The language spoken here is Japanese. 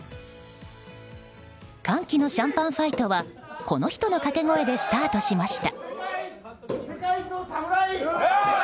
歓喜のシャンパンファイトはこの人の掛け声でスタートしました。